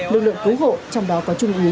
lực lượng cứu hộ trong đó có trung ú